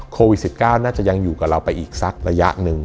โควิด๑๙น่าจะยังอยู่กับเราไปอีกสักระยะหนึ่ง